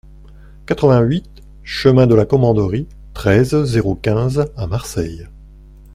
quatre-vingt-huit chemin de la Commanderie, treize, zéro quinze à Marseille